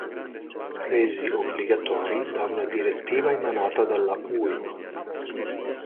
Resi obbligatori da una direttiva emanata della UE.